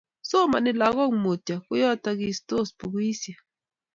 Somani lagok mutyo, koyotokistos bukuisiek